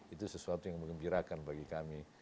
itu sesuatu yang mengembirakan bagi kami